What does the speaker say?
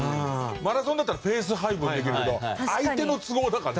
マラソンだったらペース配分できるけど相手の都合だからね。